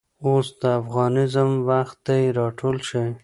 اوس دافغانیزم وخت دی راټول شئ